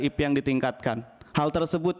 ip yang ditingkatkan hal tersebut